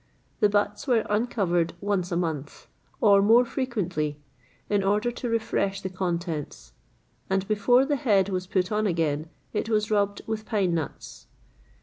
[XXVIII 77] The butts were uncovered once a month, or more frequently, in order to refresh the contents; and before the head was put on again, it was rubbed with pine nuts.